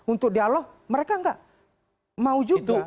untuk dialog mereka nggak mau juga